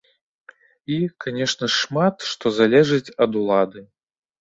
І, канешне ж, шмат што залежыць ад улады.